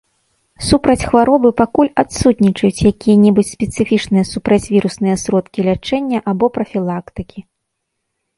Супраць хваробы пакуль адсутнічаюць якія-небудзь спецыфічныя супрацьвірусныя сродкі лячэння або прафілактыкі.